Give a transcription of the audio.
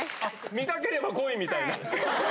見たければ来いみたいな。